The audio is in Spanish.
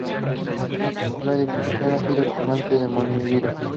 Este edificio ha sido actualmente demolido.